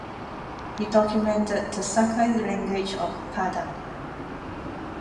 He documented the Sakai language of Padang.